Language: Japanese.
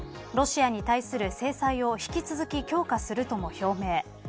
ロシアに対する制裁を引き続き強化するとも表明。